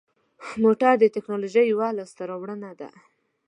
موټر د تکنالوژۍ یوه لاسته راوړنه ده.